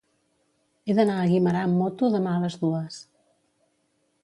He d'anar a Guimerà amb moto demà a les dues.